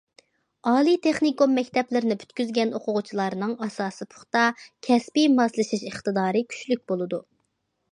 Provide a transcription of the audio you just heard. ئالىي تېخنىكوم مەكتەپلىرىنى پۈتكۈزگەن ئوقۇغۇچىلارنىڭ ئاساسى پۇختا، كەسپىي ماسلىشىش ئىقتىدارى كۈچلۈك بولىدۇ.